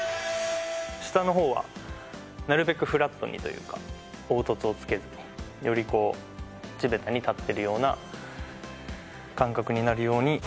下のほうは、なるべくフラットにというか、凹凸をつけずに、よりこう地べたに立っているような感覚になるように。